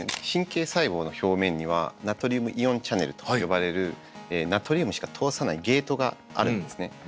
神経細胞の表面にはナトリウムイオンチャネルと呼ばれるナトリウムしか通さないゲートがあるんですね。